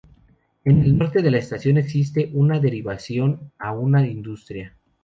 En el norte de la estación existe una derivación a una industria.